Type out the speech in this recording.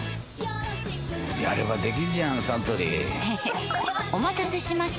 やればできんじゃんサントリーへへっお待たせしました！